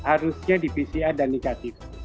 harusnya di pcr dan negatif